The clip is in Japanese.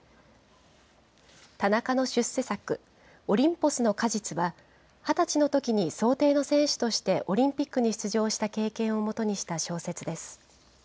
田中の出世作、オリンポスの果実は、２０歳のときにそう艇の選手としてオリンピックに出場した経験をもとにした小説です。